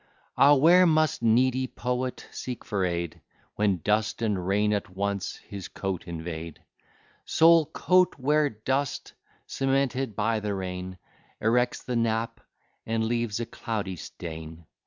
Ah! where must needy poet seek for aid, When dust and rain at once his coat invade? Sole coat! where dust, cemented by the rain, Erects the nap, and leaves a cloudy stain!